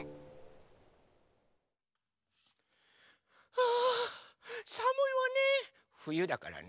あさむいわね。